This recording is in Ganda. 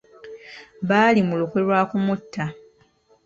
Baali mu lukwe lwa kumutta.